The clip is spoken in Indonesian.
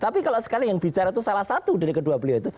tapi kalau sekali yang bicara itu salah satu dari kedua beliau itu